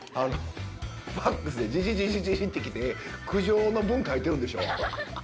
ファックスでじじじじじってきて、苦情の文、書いてるんでしょ？